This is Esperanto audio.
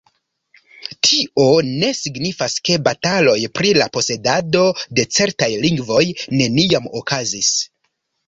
Tio ne signifas ke bataloj pri la posedado de certaj lingvoj neniam okazis